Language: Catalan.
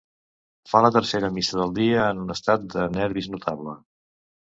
Fa la tercera missa del dia en un estat de nervis notable.